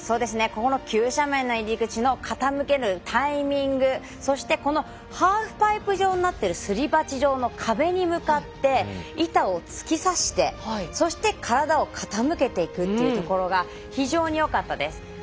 ここの急斜面の入り口の傾けるタイミングそして、このハーフパイプ状になっているすり鉢状の壁に向かって板を突き刺してそして、体を傾けていくというところが非常によかったです。